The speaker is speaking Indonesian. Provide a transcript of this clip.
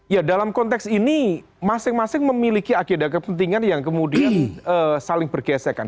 ya dalam konteks ini masing masing memiliki agenda kepentingan yang kemudian saling bergesekan